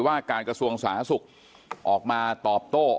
ว่าการกระทรวงสหสัยศาสตร์ออกมาตอบโตะ